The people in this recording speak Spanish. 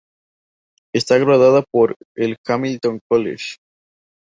Está graduada por el Hamilton College.